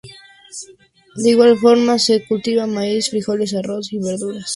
De igual forma, se cultiva maíz, frijoles, arroz, y verduras en pequeñas cantidades.